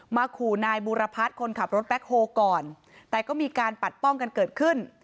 ขู่นายบูรพัฒน์คนขับรถแบ็คโฮลก่อนแต่ก็มีการปัดป้องกันเกิดขึ้น